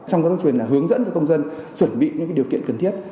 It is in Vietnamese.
trong các tuyên truyền là hướng dẫn công dân chuẩn bị những điều kiện cần thiết